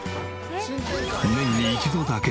年に１度だけ！